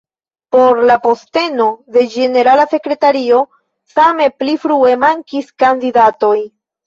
Por la posteno de ĝenerala sekretario same pli frue mankis kandidatoj.